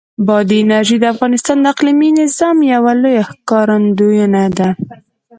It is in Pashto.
بادي انرژي د افغانستان د اقلیمي نظام یوه لویه ښکارندوی ده.